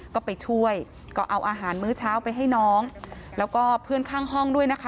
ก็ไปช่วยก็เอาอาหารมื้อเช้าไปให้น้องแล้วก็เพื่อนข้างห้องด้วยนะคะ